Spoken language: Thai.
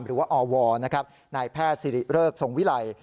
หรือว่าอวนายแพทย์สิริเริกทรงวิไล